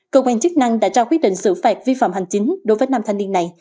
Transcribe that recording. công an chức năng đã trao quyết định xử phạt vi phạm hành chính đối với năm thanh niên này